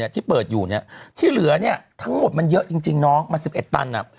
ที่เปิดอยู่เนี่ยที่เหลือเนี่ยทั้งหมดมันเยอะจริงน้องมัน๑๑ตันอ่ะ